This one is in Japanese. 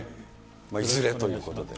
いずれということで。